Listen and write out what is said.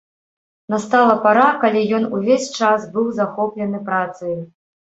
Настала пара, калі ён увесь час быў захоплены працаю.